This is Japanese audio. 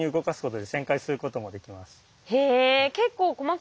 へえ。